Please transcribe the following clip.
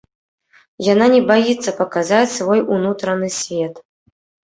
Яна не баіцца паказаць свой унутраны свет.